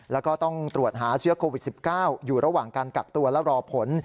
แล้วก็ต้องตรวจหาเชื้อโควิด๑๙อยู่ระหว่างการกักตัวและรอผล